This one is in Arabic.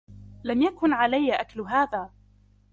لم يكن عليّ أكل هذا.